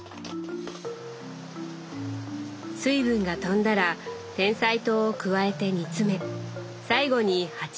水分が飛んだらてんさい糖を加えて煮詰め最後にはちみつも。